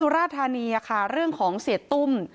สุราธารณีค่ะเรื่องของเศรษฐ์ตุ้ม